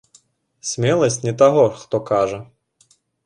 Смеласць не таго, хто кажа.